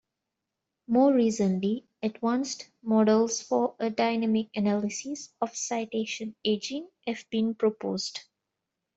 More recently, advanced models for a dynamic analysis of citation aging have been proposed.